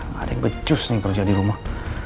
nggak ada yang becus nih kerja di rumah